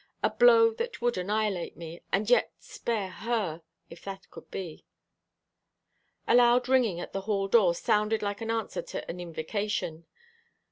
A blow that would annihilate me, and yet spare her if that could be." A loud ringing at the hall door sounded like an answer to an invocation.